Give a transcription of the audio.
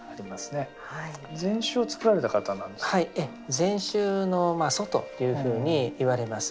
禅宗の祖というふうにいわれます。